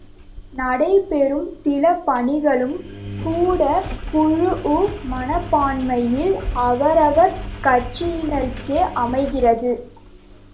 நடைபெறும் சில பணிகளும் கூட குழுஉ மனப்பான்மையில் அவரவர் கட்சியினருக்கே அமைகிறது.